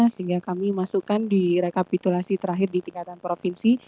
sehingga kami masukkan di rekapitulasi terakhir di tingkatan provinsi